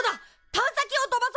探査機を飛ばそう！